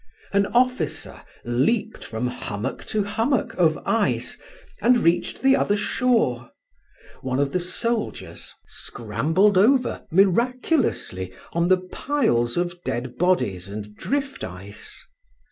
An officer leaped from hummock to hummock of ice, and reached the other shore; one of the soldiers scrambled over miraculously on the piles of dead bodies and drift ice.